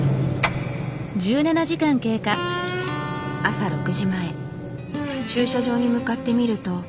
朝６時前駐車場に向かってみると。